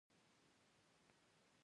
زه مطالعه خوښوم.